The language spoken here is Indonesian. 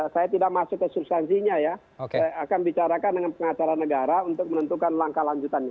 saya tidak masuk ke substansinya ya saya akan bicarakan dengan pengacara negara untuk menentukan langkah lanjutannya